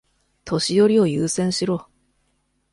年寄りを優先しろ。